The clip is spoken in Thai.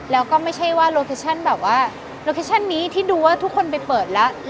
แล้วก็ไม่ใช่ว่าโลเคชั่นแบบว่าโลเคชั่นนี้ที่ดูว่าทุกคนไปเปิดแล้ว